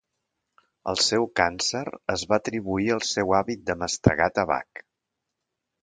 El seu càncer es va atribuir al seu hàbit de mastegar tabac.